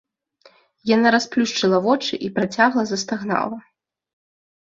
Яна расплюшчыла вочы і працягла застагнала.